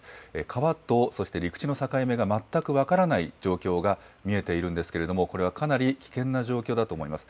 川とそして陸地の境目が全く分からない状況が見えているんですけれども、これはかなり危険な状況だと思います。